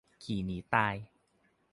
ขี่หนีตาย